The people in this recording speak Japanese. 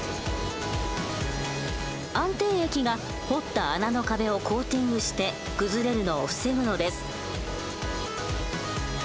安定液が掘った穴の壁をコーティングして崩れるのを防ぐのです。